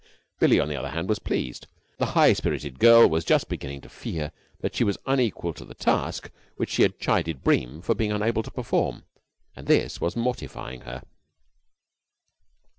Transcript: Billie, on the other hand, was pleased. The high spirited girl was just beginning to fear that she was unequal to the task which she had chided Bream for being unable to perform and this was mortifying her.